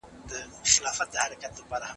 موږ بايد د ټولنيز پيوستون خيال وساتو.